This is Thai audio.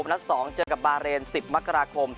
นัดสองเจอกับบาเรน๑๐มค